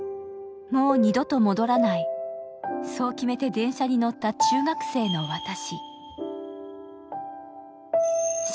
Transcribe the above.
もう二度と戻らない、そう決めて電車に乗った中学生の私。